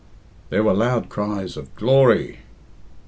There were loud cries of "Glory!"